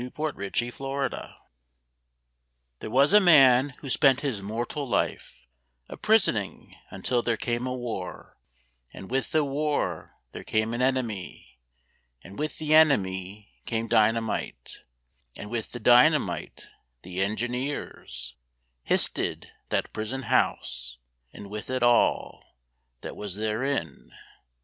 JOSEPHI IN BENICIA There was a man who spent his mortal life A prisoning until there came a war; And with the war there came an enemy, And with the enemy came dynamite, And with the dynamite the engineers Histed that prison house, and with it all That was therein.